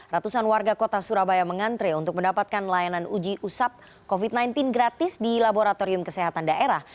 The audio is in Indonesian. ratusan warga kota surabaya mengantre untuk mendapatkan layanan uji usap covid sembilan belas gratis di laboratorium kesehatan daerah